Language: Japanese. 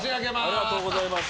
ありがとうございます。